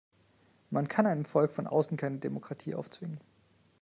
Man kann einem Volk von außen keine Demokratie aufzwingen.